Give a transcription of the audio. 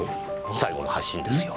最後の発信ですよ。